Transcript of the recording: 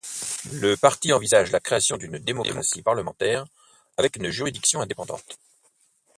Le parti envisage la création d'une démocratie parlementaire avec une juridiction indépendante.